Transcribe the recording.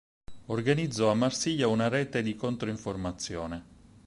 Organizzò a Marsiglia una rete di contro-informazione.